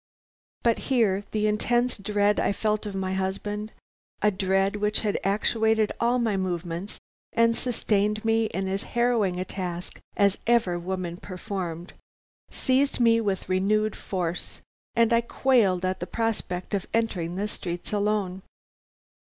"But here the intense dread I felt of my husband, a dread which had actuated all my movements and sustained me in as harrowing a task as ever woman performed, seized me with renewed force, and I quailed at the prospect of entering the streets alone.